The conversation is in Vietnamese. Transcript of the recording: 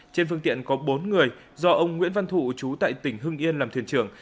trên phương tiện có bốn người do ông nguyễn văn thụ chú tại tỉnh hưng yên làm thuyền trưởng